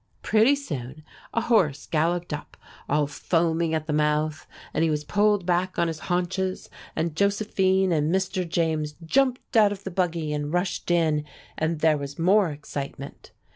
Pretty soon a horse galloped up, all foaming at the mouth, and he was pulled back on his haunches, and Josephine and Mr. James jumped out of the buggy and rushed in, and there was more excitement.